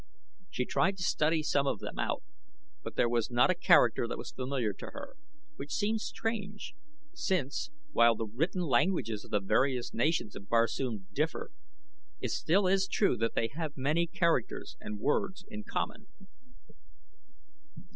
She tried to study some of them out, but there was not a character that was familiar to her, which seemed strange, since, while the written languages of the various nations of Barsoom differ, it still is true that they have many characters and words in common.